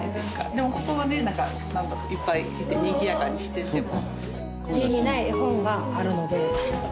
でもここはねなんかなんだろう？いっぱいいてにぎやかにしてても。